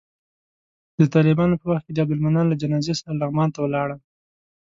د طالبانو په وخت کې د عبدالمنان له جنازې سره لغمان ته ولاړم.